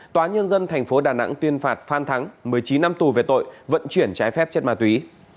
tòa nhân dân tp đà nẵng tuyên phạt phan thắng một mươi chín năm tù về tội vận chuyển trái phép chất ma túy